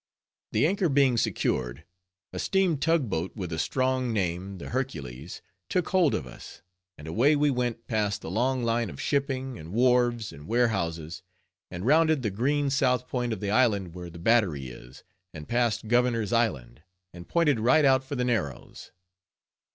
The anchor being secured, a steam tug boat with a strong name, the Hercules, took hold of us; and away we went past the long line of shipping, and wharves, and warehouses; and rounded the green south point of the island where the Battery is, and passed Governor's Island, and pointed right out for the Narrows.